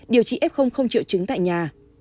điều trị f không triệu chứng tại nhà